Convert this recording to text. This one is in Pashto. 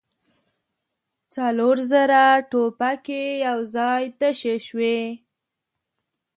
څلور زره ټوپکې يو ځای تشې شوې.